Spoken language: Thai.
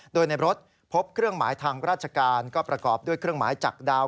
โดยในรถพบเครื่องหมายทางราชการก็ประกอบด้วยเครื่องหมายจากดาว